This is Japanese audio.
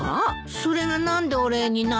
それが何でお礼になるの？